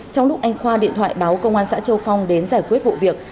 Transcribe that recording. trong lúc anh khoa điện thoại báo công an xã châu phong đến giải quyết vụ việc